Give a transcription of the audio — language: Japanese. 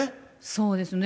そうですね。